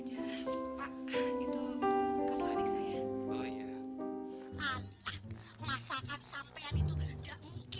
jadi si iqbal dan husin akan tinggal di rumah mereka